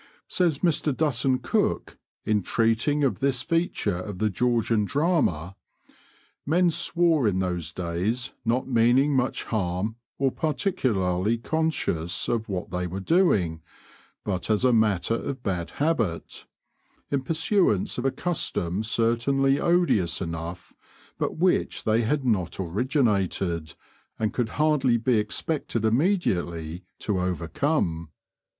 Says Mr. Dutton Cook, in treating of this feature of the Georgian drama: "Men swore in those days not meaning much harm or particularly conscious of what they were doing, but as a matter of bad habit, in pursuance of a custom certainly odious enough, but which they had not originated and could hardly be expected immediately to overcome.